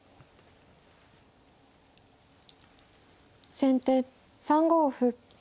先手３五歩。